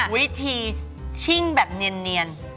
วิธีชิ่งแบบเนียน